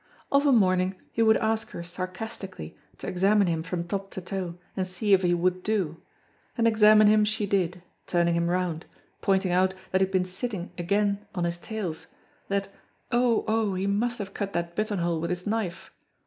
Of a morning he would ask her sarcastically to examine him from top to toe and see if he would do, and examine him she did, turning him round, pointing out that he had been sitting "again" on his tails, that oh, oh, he must have cut that buttonhole with his knife.